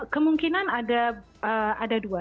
kemungkinan ada dua